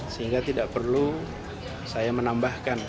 sehingga tidak perlu saya menambahkan